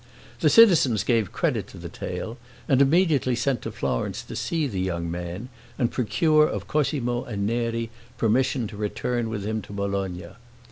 The citizens gave credit to the tale, and immediately sent to Florence to see the young man, and procure of Cosmo and Neri permission to return with him to Bologna.